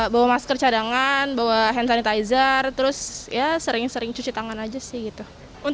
bawa masker cadangan bawa hand sanitizer terus ya sering sering cuci tangan aja sih gitu